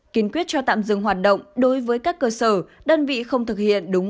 kiến quyết cho tạm dừng hoạt động đối với các cơ sở đơn vị không thực hiện đúng